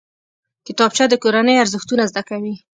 کتابچه د کورنۍ ارزښتونه زده کوي